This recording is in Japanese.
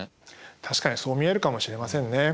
確かにそう見えるかもしれませんね。